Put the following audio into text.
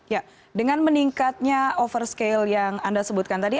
ya dengan meningkatnya over scale yang anda sebutkan tadi